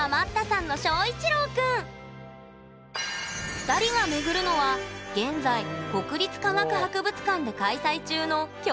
２人がめぐるのは現在国立科学博物館で開催中の「恐竜博」！